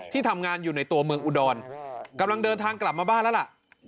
ทำงานอยู่ในตัวเมืองอุดรกำลังเดินทางกลับมาบ้านแล้วล่ะ